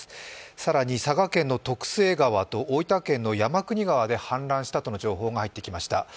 更に佐賀県のとくせいがわと大分県の山国川で氾濫したとの情報が入ってきました。